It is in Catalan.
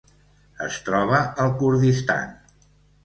Es troba al Kurdistan.